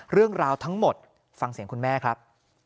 เรื่องราวทั้งหมดฟังเสียงคุณแม่ครับ